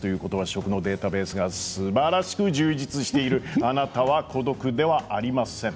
食のデータベースがすばらしく充実しているあなたは孤独ではありません。